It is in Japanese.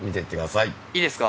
いいですか？